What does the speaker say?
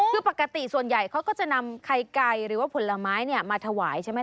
คือปกติส่วนใหญ่เขาก็จะนำไข่ไก่หรือว่าผลไม้มาถวายใช่ไหม